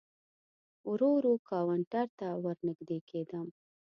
ورو ورو کاونټر ته ور نږدې کېدم.